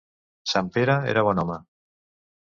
Sant Pere era bon home.